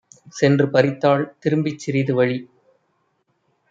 சென்று பறித்தாள். திரும்பிச் சிறிதுவழி